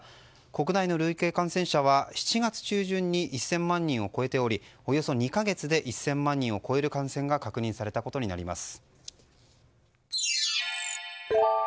国内の累計感染者は７月中旬に１０００万人を超えておりおよそ２か月で１０００万人を超える感染が確認されたことになります。